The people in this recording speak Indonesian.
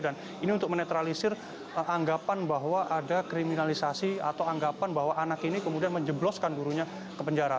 dan ini untuk menetralisir anggapan bahwa ada kriminalisasi atau anggapan bahwa anak ini kemudian menjebloskan gurunya ke penjara